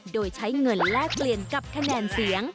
โดยใช้เงินแลกเปลี่ยนกับคะแนนเสียง